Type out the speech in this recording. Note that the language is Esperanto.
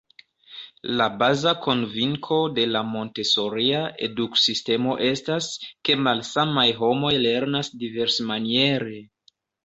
La baza konvinko de la Montesoria eduk-sistemo estas, ke malsamaj homoj lernas diversmaniere.